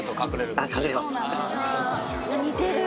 似てる。